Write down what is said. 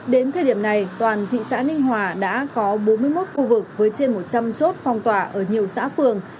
đến thời điểm này toàn thị xã ninh hòa đã có bốn mươi một khu vực với trên một trăm linh chốt phong tỏa ở nhiều xã phường